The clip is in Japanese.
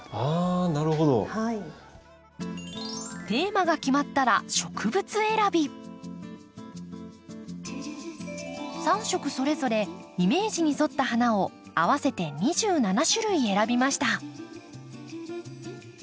テーマが決まったら３色それぞれイメージに沿った花を合わせて２７種類選びました。